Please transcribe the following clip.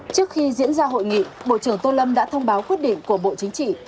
trước khi diễn ra hội nghị bộ trưởng tô lâm đã thông báo quyết định của bộ chính trị